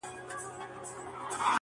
• دا چي سپی دومره هوښیار دی او پوهېږي,